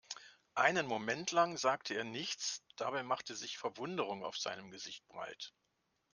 Einen Moment lang sagte er nichts, dabei machte sich Verwunderung auf seinem Gesicht breit.